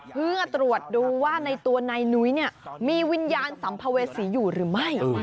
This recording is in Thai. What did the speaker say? เพื่อตรวจดูว่าในตัวนายนุ้ยเนี่ยมีวิญญาณสัมภเวษีอยู่หรือไม่